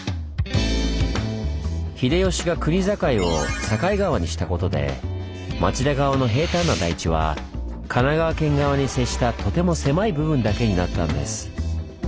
秀吉が国境を境川にしたことで町田側の平たんな台地は神奈川県側に接したとても狭い部分だけになったんです。